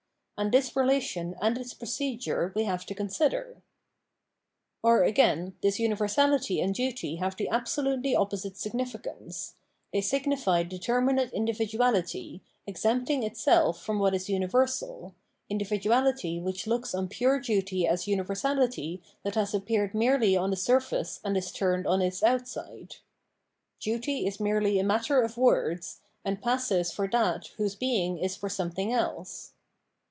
And this relation and its proce dure we have to consider. Or, again, this universality and duty have the abso lutely opposite significance ; they signify determinate individuality, exempting itself from what is universal, individuality which looks on pure duty as universality that has appeared merely on the surface and is turned on its outside :" duty is merely a matter of words," and passes for that whose being is for something else.